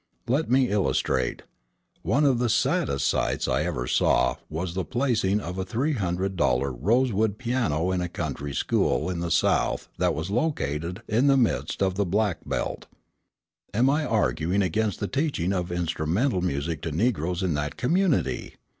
Let me illustrate. One of the saddest sights I ever saw was the placing of a three hundred dollar rosewood piano in a country school in the South that was located in the midst of the "Black Belt." Am I arguing against the teaching of instrumental music to the Negroes in that community?